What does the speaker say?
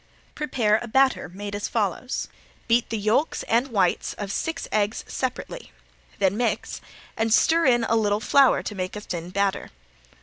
Prepare a batter made as follows: Beat the yolks and whites of six eggs separately, then mix, and stir in a little flour to make a thin batter.